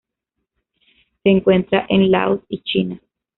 Se encuentra en Laos y China.